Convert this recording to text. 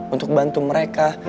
untuk bantu mereka